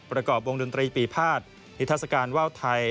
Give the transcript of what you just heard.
ประกอบวงดนตรีปีภาษนิทัศกาลว่าวไทย